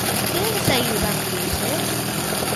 Quen saíu da crise?